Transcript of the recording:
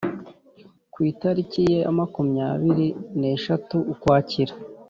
ku itariki ya makumyabiri neshatu ukwakira